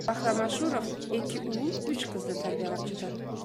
Бахрам Ашуров эки уул, үч кызды тарбиялап жатат.